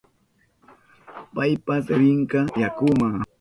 Paypas rinka yakuma.